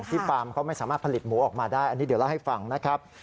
ฟาร์มเขาไม่สามารถผลิตหมูออกมาได้อันนี้เดี๋ยวเล่าให้ฟังนะครับ